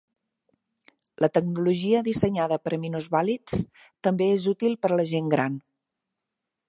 La tecnologia dissenyada per a minusvàlids també és útil per a la gent gran.